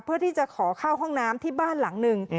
เพื่อที่จะขอเข้าห้องน้ำที่บ้านหลังหนึ่ง